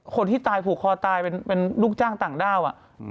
คนที่ตายผูกคอตายเป็นลูกจ้างต่างด้าว